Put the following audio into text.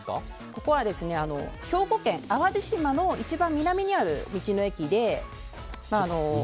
ここは兵庫県淡路島の一番南にある道の駅で。